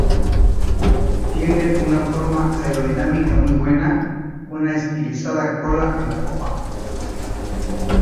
Tiene una forma aerodinámica muy buena, una estilizada cola en la popa.